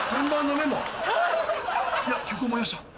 いや曲思い出した。